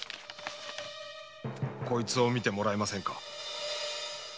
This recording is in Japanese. こいつを見てもらえませんか。